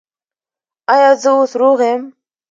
ایا زه اوس روغ یم؟